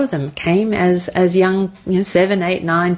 atau banyak orang ini datang sebagai orang muda